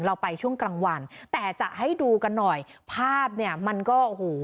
เราไปช่วงกลางวันแต่จะให้ดูกันหน่อยภาพเนี่ยมันก็โอ้โห